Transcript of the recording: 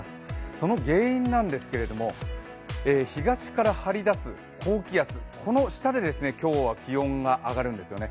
その原因なんですけれども、東から張り出す高気圧、この下で今日は気温が上がるんですよね。